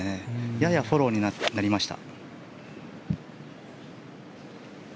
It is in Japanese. ややフォローになりました。